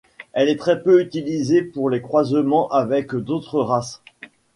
Elle est très peu utilisée pour les croisements avec d'autres races.